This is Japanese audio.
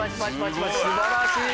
すばらしい！